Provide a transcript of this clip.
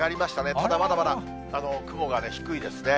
ただ、まだまだ雲が低いですね。